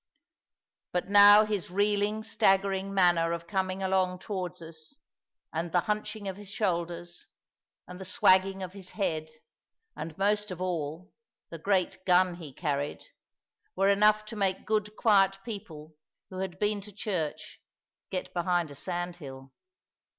But now his reeling staggering manner of coming along towards us, and the hunching of his shoulders, and the swagging of his head, and, most of all, the great gun he carried, were enough to make good quiet people who had been to church get behind a sandhill.